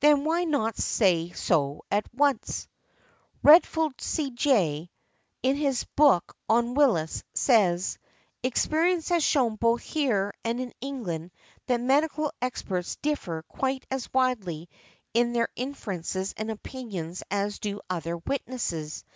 "Then why not say so at once" . Redfield, C.J., in his book on Wills, says, "Experience has shown both here and in England that medical experts differ quite as widely in their inferences and opinions as do other witnesses.